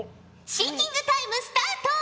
シンキングタイムスタート！